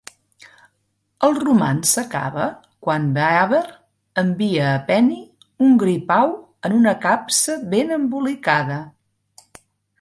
El romanç s'acaba quan Beaver envia a Penny un gripau en una capsa ben embolicada.